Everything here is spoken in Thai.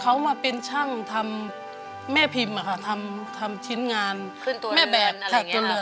เขามาเป็นช่างทำแม่พิมค่ะทำชิ้นงานแม่แบบขาดตัวเรือน